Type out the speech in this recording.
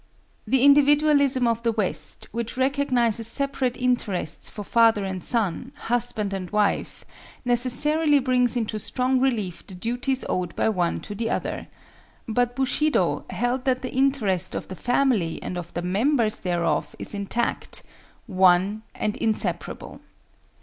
The individualism of the West, which recognizes separate interests for father and son, husband and wife, necessarily brings into strong relief the duties owed by one to the other; but Bushido held that the interest of the family and of the members thereof is intact,—one and inseparable.